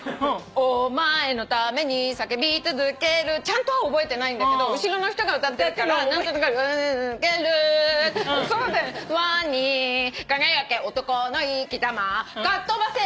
「お前の為に叫び続ける」ちゃんとは覚えてないんだけど後ろの人が歌ってるから「ウンウンける」「永遠に輝け漢の生き様」かっとばせ！